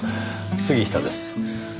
杉下です。